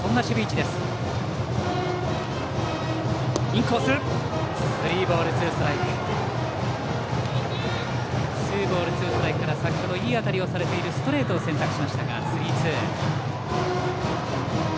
ツーボールツーストライクから先ほどいい当たりをされているストレートを選択しましたがスリーツー。